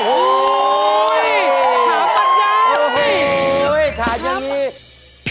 โอ้โหเฮ้ยขาดอย่างนี้